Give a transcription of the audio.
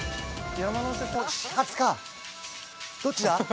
どっちだ？